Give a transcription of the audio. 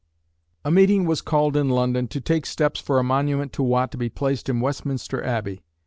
A meeting was called in London to take steps for a monument to Watt to be placed in Westminster Abbey.